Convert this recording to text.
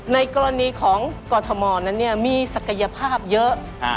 ในกรณีของกรทมนั้นมีศักยภาพเยอะ